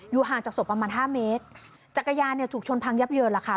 ห่างจากศพประมาณห้าเมตรจักรยานเนี่ยถูกชนพังยับเยินล่ะค่ะ